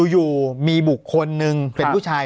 อยู่มีบุคคลหนึ่งเป็นผู้ชาย